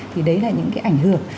thì đấy là những cái ảnh hưởng